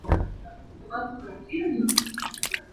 Kan ba tuk i met le ngut lawng kan rian ko.